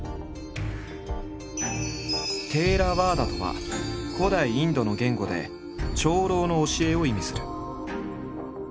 「テーラワーダ」とは古代インドの言語で「長老の教え」を意味する。